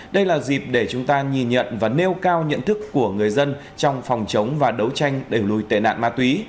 đây là dịp để chúng ta nhìn nhận và nêu cao nhận thức của người dân trong phòng chống và đấu tranh đẩy lùi tệ nạn ma túy